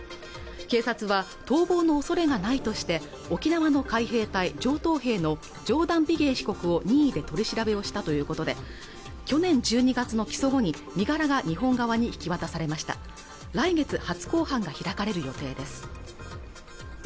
警察は逃亡のおそれがないとして在沖海兵隊上等兵のジョーダン・ビゲイ被告を任意で取り調べをしたということで去年１２月の起訴後に身柄が日本側に引き渡されました来月初公判が開かれる予定です